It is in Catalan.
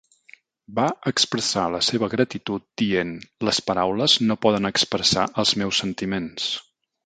Va expressar la seva gratitud dient: Les paraules no poden expressar els meus sentiments.